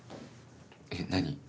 えっ何？